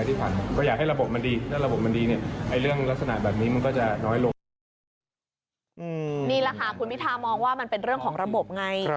นี่แหละค่ะคุณพิธามองว่ามันเป็นเรื่องของระบบไง